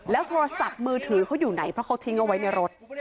โทรศัพท์มือถือเขาอยู่ไหนเพราะเขาทิ้งเอาไว้ในรถ